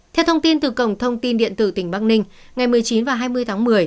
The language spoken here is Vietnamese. theo thông tin từ cổng thông tin điện tử tỉnh bắc ninh ngày một mươi chín và hai mươi tháng một mươi